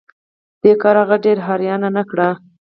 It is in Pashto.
دې کار هغه ډیره حیرانه نه کړه